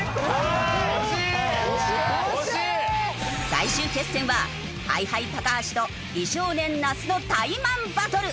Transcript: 最終決戦はＨｉＨｉ橋と美少年那須のタイマンバトル！